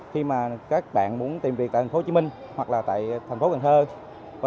khi mà các bạn muốn tìm việc tại tp hcm hoặc là tại tp hcm